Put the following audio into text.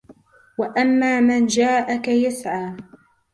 وأما من جاءك يسعى